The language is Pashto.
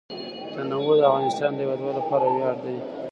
تنوع د افغانستان د هیوادوالو لپاره ویاړ دی.